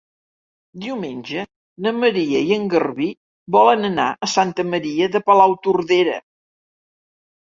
Diumenge na Maria i en Garbí volen anar a Santa Maria de Palautordera.